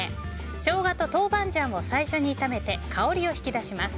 ショウガと豆板醤を最初に炒めて香りを引き出します。